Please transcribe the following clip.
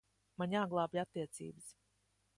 Man jāglābj attiecības.